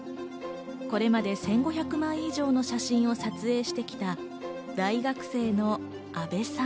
これまで１５００枚以上の写真を撮影してきた大学生のあべさん。